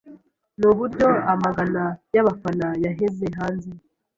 n’uburyo amagana y’abafana yaheze hanze